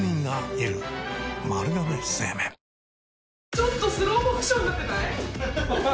ちょっとスローモーションになってない？